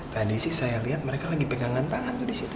tadi sih saya lihat mereka lagi pegangan tangan tuh di situ